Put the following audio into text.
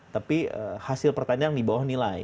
tapi hasil pertanian di bawah nilai